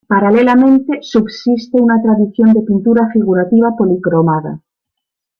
Paralelamente subsiste una tradición de pintura figurativa policromada.